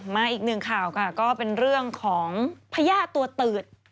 มาอีกหนึ่งข่าวก็เป็นเรื่องของพญาตัวเตือด